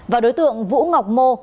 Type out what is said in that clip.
và đối tượng vũ ngọc mô